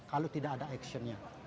kalau tidak ada aksinya